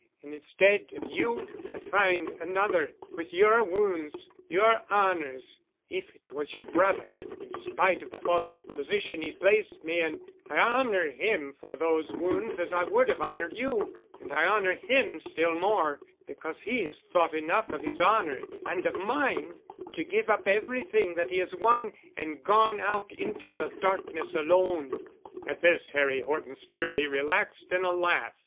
And instead of you I find—another—with your wounds, your honors—if it was your brother—in spite of the false position he's placed me in—I honor him for those wounds as I would have honored you—and I honor him still more—because he has thought enough of his honor and of mine—to give up everything that he has won and gone out into the darkness—alone." At this, Harry Horton's fury relaxed in a laugh.